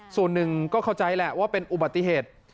ส่วนหนึ่งก็เข้าใจแหละว่าเป็นอุบัติเหตุ